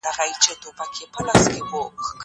که وخت وي، ونې ته اوبه ورکوم!